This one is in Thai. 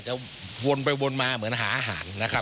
วนไปวนมาเหมือนหาอาหารนะครับ